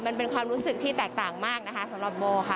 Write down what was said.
มันเป็นความรู้สึกที่แตกต่างมากนะคะสำหรับโบค่ะ